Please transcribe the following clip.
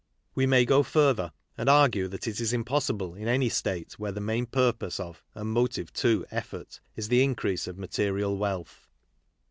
We may go further and argue that it is impossible in any state where the main purpose of, and motive to, effort, is the increase of material wealth.